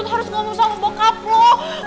nggak peduli phillip roll aneh